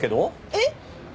えっ？